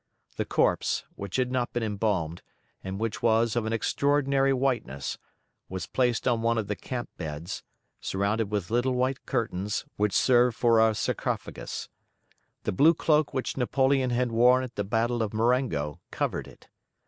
The corpse, which had not been embalmed, and which was of an extraordinary whiteness, was placed on one of the campbeds, surrounded with little white curtains, which served for a sarcophagus. The blue cloak which Napoleon had worn at the battle of Marengo covered it.